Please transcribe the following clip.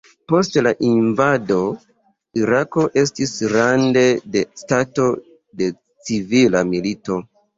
Post la invado, Irako estis rande de stato de civila milito.